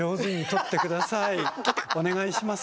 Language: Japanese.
お願いします。